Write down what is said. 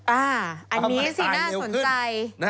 อันนี้สิน่าสนใจ